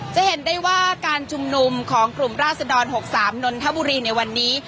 จะเห็นได้ว่าการชุมนุมของกลุ่มราศดร๖๓นนทบุรีในวันนี้